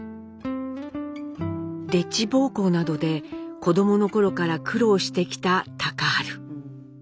でっち奉公などで子どもの頃から苦労してきた隆治。